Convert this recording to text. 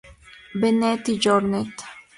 Benet i Jornet